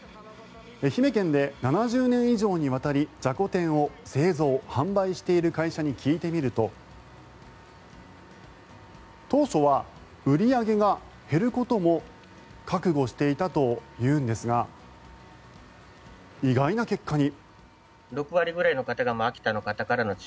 愛媛県で７０年以上にわたりじゃこ天を製造・販売している会社に聞いてみると当初は売り上げが減ることも覚悟していたというんですが意外な結果に。